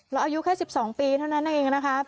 อายุแค่๑๒ปีเท่านั้นเองนะครับ